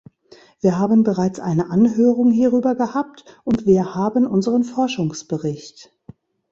Wir haben bereits eine Anhörung hierüber gehabt und wir haben unseren Forschungsbericht.